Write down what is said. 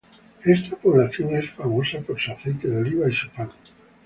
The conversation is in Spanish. Esta población es famosa por su aceite de oliva y su pan.